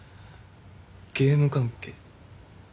ゲーム関係